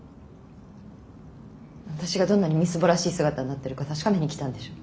私がどんなにみすぼらしい姿になってるか確かめに来たんでしょう。